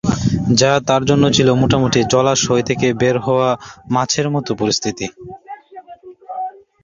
যা তার জন্য ছিল মোটামুটি জলাশয় থেকে বের হওয়া মাছের মতো পরিস্থিতি।